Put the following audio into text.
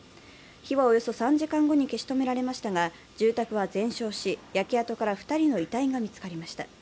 火はおよそ３時間後に消し止められましたが住宅は全焼し、焼け跡から２人の遺体が見つかりました。